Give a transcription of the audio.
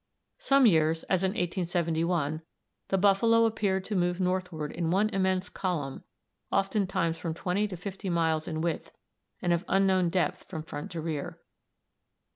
Some years, as in 1871, the buffalo appeared to move northward in one immense column oftentimes from 20 to 50 miles in width, and of unknown depth from front to rear.